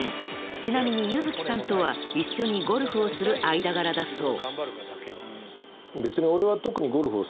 ［ちなみに柚月さんとは一緒にゴルフをする間柄だそう］